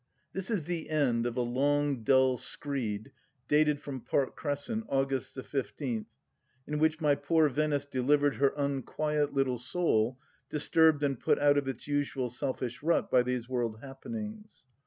— This is the end of a long, dull screed, dated from Park Crescent, August the fifteenth, in which my poor Venice delivered her unquiet little soul, disturbed and put out of its usual selfish rut by these world happenings.